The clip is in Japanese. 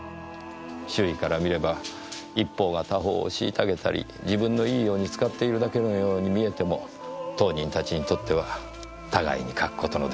周囲から見れば一方が他方を虐げたり自分のいいように使っているだけのように見えても当人たちにとっては互いに欠く事の出来ない